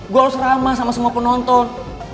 gue harus ramah sama semua penonton